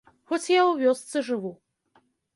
Хоць я ў вёсцы жыву.